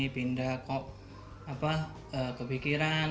pindah kok ke pikiran